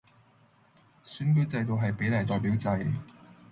選舉制度係比例代表制